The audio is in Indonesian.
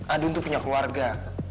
adun tuh punya keluarga